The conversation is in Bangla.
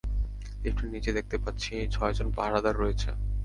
লিফটের নিচে দেখতে পাচ্ছি ছয়জন পাহারাদার রয়েছে।